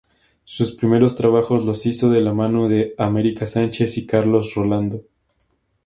Sus primeros trabajos los hizo de la mano de America Sánchez y Carlos Rolando.